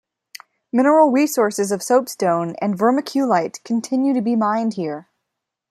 Mineral resources of soapstone and vermiculite continue to be mined here.